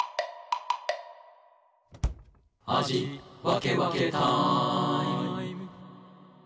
「あじわけわけタイム」